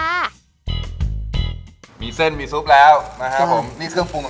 วันนี้ครับ